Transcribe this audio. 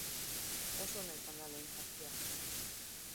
Oso ona izan da lehen zatia.